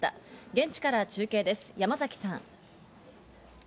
現地から中継です、山崎さん。